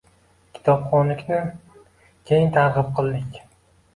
Kitobxonlikni keng targ‘ib qildik.